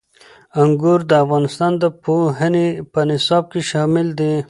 انګور د افغانستان د پوهنې په نصاب کې شامل دي.